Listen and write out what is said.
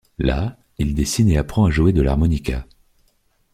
Là, il dessine et apprend à jouer de l'harmonica.